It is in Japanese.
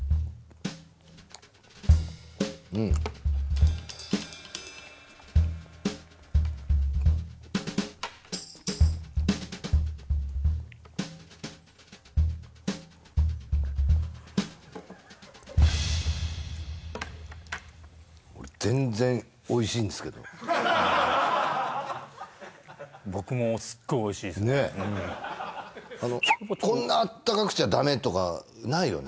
うん全然おいしいんですけど僕もすっごいおいしいっすねねえこんなあったかくちゃダメとかないよね